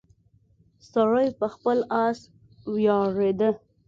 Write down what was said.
سړی په خپل اس ویاړیده.